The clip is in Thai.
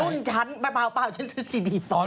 รุ่นชั้นเปล่าฉันซื้อซีดี